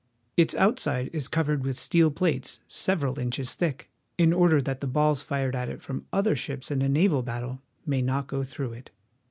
Its outside is covered with steel plates several inches thick, in order that the balls fired at it from other ships in a naval battle may not go through it.